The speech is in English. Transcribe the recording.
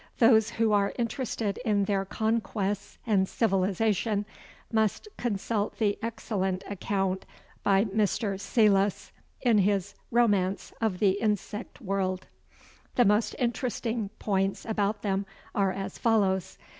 Those who are interested in their conquests and civilization must consult the excellent account by Mr. Selous in his Romance of the Insect World. The most interesting points about them are as follows.